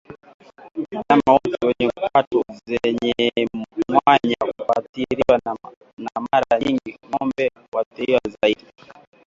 Wanyama wote wenye kwato zenye mwanya huathiriwa na Mara nyingi ng'ombe huathirika zaidi